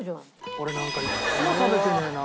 俺なんかいつも食べてねえな。